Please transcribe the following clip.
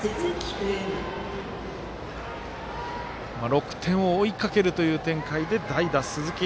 ６点を追いかけるという展開で代打、鈴木。